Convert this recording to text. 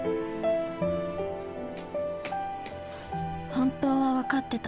本当は分かってた。